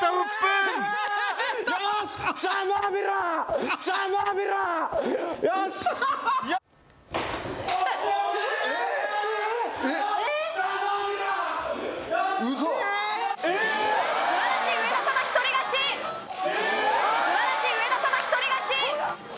すばらしい上田様１人勝ちえっ！